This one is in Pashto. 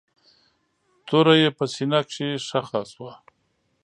توره يې په سينه کښې ښخه شوه.